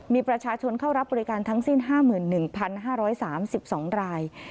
มีประชาชนเข้ารับบริการทั้งสิ้น๕๑๕๓๒ราย